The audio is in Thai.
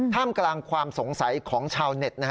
ท่ามกลางความสงสัยของชาวเน็ต